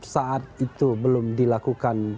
saat itu belum dilakukan